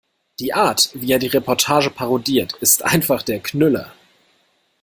Die Art, wie er die Reportage parodiert, ist einfach der Knüller!